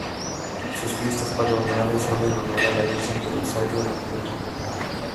Sus fiestas patronales son en honor a la Virgen del Rosario en octubre.